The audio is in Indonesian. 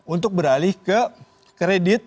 untuk beralih ke kredit